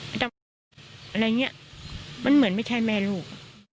อะไรเงี้ยมันเหมือนไม่ใช่แม่ลูก